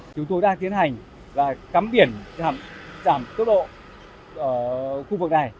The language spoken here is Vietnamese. chúng tôi đang tiến hành là cắm biển giảm tốc độ ở khu vực này